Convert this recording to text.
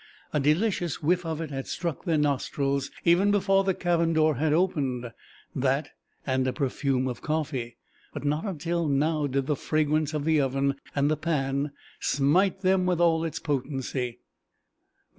A delicious whiff of it had struck their nostrils even before the cabin door had opened that and a perfume of coffee; but not until now did the fragrance of the oven and the pan smite them with all its potency.